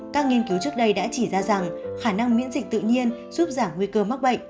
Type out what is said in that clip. các nghiên cứu trước đây đã chỉ ra rằng khả năng miễn dịch tự nhiên giúp giảm nguy cơ mắc bệnh